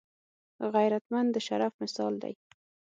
غیرتمند د شرف مثال دی